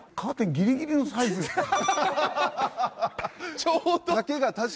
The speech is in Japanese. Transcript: ギリギリのサイズだし。